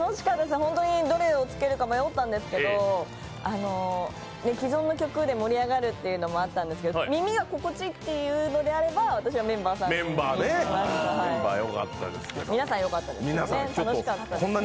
ホントにどれをつけるか迷ったんですけど既存の曲で盛り上がるというのもあったんですけど、耳が心地いいというのであれば私はメンバーさんに。